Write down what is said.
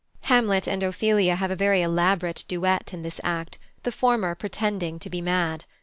Hamlet and Ophelia have a very elaborate duet in this act, the former pretending to be mad.